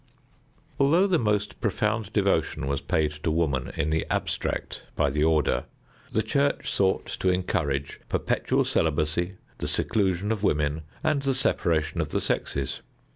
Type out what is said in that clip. Although the most profound devotion was paid to woman in the abstract by the order, the Church sought to encourage perpetual celibacy, the seclusion of women, and the separation of the sexes.